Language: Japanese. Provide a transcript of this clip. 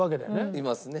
いますね。